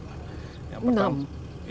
enam banyak sekali